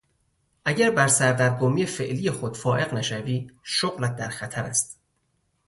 اگر بر سردرگمی فعلی خود فائق نشوی شغلت در خطر است.